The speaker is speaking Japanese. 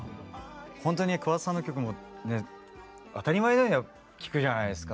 ほんとに桑田さんの曲も当たり前のように聴くじゃないですか。